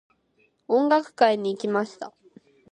音楽会に行きました。